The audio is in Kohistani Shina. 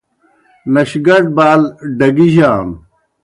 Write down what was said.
نشگٹ بال ڈگِیجانوْ۔